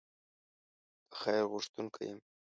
د خیر غوښتونکی یم.